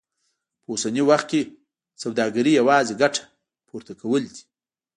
په اوسني وخت کې سوداګري يوازې ګټه پورته کول دي.